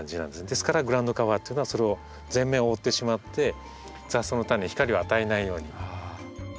ですからグラウンドカバーというのはそれを全面を覆ってしまって雑草のタネに光を与えないように。